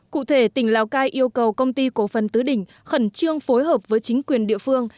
cụ thể tỉnh lào cai yêu cầu công ty cổ phần tứ đỉnh khẩn trương phối hợp với chính quyền địa phương